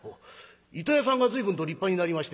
「糸屋さんが随分と立派になりまして」。